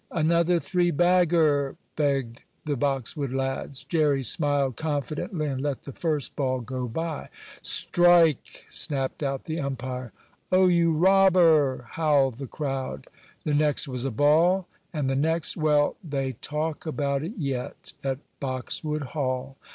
"Another three bagger!" begged the Boxwood lads. Jerry smiled confidently and let the first ball go by. "Strike!" snapped out the umpire. "Oh you robber!" howled the crowd. The next was a ball, and the next well, they talk about it yet at Boxwood Hall.